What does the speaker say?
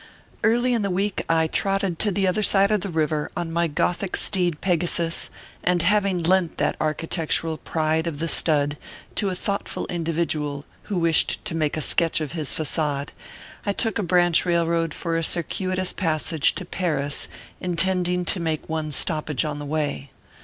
EARLY in the week I trotted to the other side of the river on my gothic steed Pegasus, and having lent that architectural pride of the stud to a thoughtful individual, who wished to make a sketch of his facade, I took a branch railroad for a circuitous passage to Paris, intending to make one stoppage on the way.